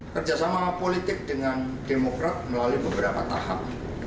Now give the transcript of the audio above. kerjasama politik dengan demokrat melalui beberapa tahap